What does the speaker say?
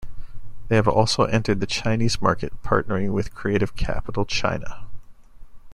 They have also entered the Chinese market partnering with Creative Capital China.